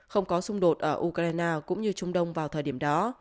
không có xung đột ở ukraine cũng như trung đông vào thời điểm đó